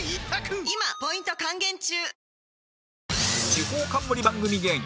地方冠番組芸人